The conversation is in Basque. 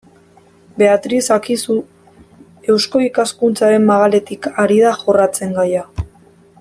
Beatriz Akizu Eusko Ikaskuntzaren magaletik ari da jorratzen gaia.